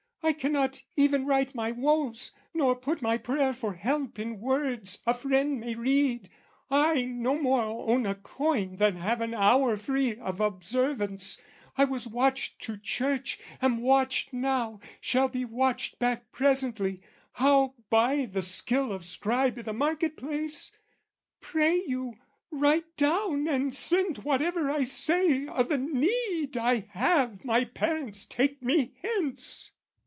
"I cannot even write my woes, nor put "My prayer for help in words a friend may read, "I no more own a coin than have an hour "Free of observance, I was watched to church, "Am watched now, shall be watched back presently, "How buy the skill of scribe i' the market place? "Pray you, write down and send whatever I say "O' the need I have my parents take me hence!"